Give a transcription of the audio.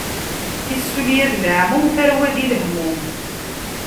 Tissulya d leɛmum, tarwa di lehmum.